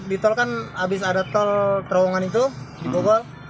di tol kan habis ada tol terowongan itu dibobol